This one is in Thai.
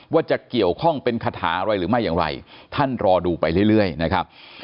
ว่าจะเกี่ยวข้องเป็นคาถาอะไรหรือไม่อย่างไรท่านรอดูไปเรื่อยนะครับ